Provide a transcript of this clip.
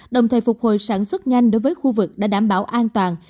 đồng thời phục hồi sản xuất nhanh đối với khu vực đã đảm bảo an toàn